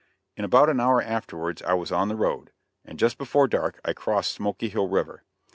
In about an hour afterwards I was on the road, and just before dark I crossed Smoky Hill River.